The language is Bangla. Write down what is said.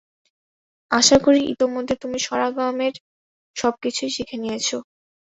আশা করি ইতোমধ্যে তুমি স্বরগ্রামের সব কিছুই শিখে নিয়েছ।